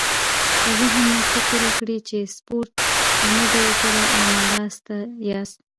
که ذهن مو فکر وکړي چې سپورت مو نه دی کړی او ناراسته ياست.